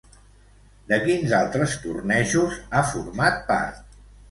De quins altres tornejos ha format part?